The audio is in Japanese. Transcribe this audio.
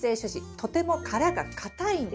とても殻が硬いんです。